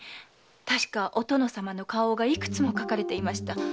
確かお殿様の花押がいくつも書かれていました。